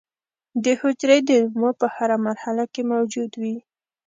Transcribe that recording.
د حجرې د نمو په هره مرحله کې موجود وي.